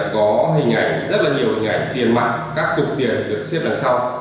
có hình ảnh rất là nhiều hình ảnh tiền mặt các cục tiền được xếp đằng sau